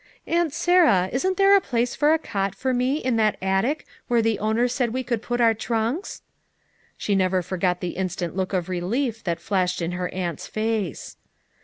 "Aunt Sarah, isn't there a place for a cot for me in that attic where the owner said we could put our trunks?" She never forgot the instant look of relief that flashed in her aunt's face.